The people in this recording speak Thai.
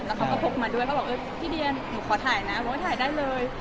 แล้วเขาก็พกมาด้วยเขาบอกพี่เดียหนูขอถ่ายนะบอกว่าถ่ายได้เลย